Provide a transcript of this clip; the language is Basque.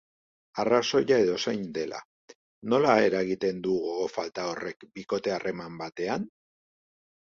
Arrazoia edozein dela, nola eragiten du gogo falta horrek bikote harreman batetan?